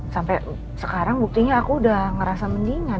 sampai sekarang buktinya aku udah ngerasa mendingan